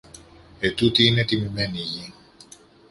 Ετούτη είναι τιμημένη γη.